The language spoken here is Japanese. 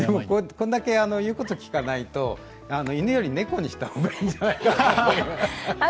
これだけ言うこと聞かないと、犬より猫にした方がいいんじゃないかな。